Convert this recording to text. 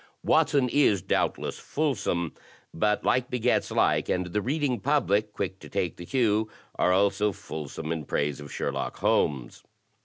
Watson is doubtless fulsome, but like begets like, and the Reading Public, quick to take the cue, are also fulsome in praise of Sherlock Holmes.